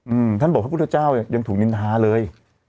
อืมท่านบอกพระพุทธเจ้ายังถูกนินทาเลย